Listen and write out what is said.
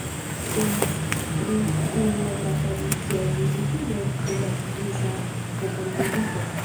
Temas pri unu el la tradiciaj muzikiloj de la svisa popolmuziko.